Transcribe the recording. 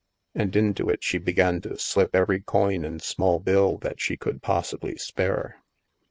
And into it she began to slip every coin and small bill that she could possibly spare.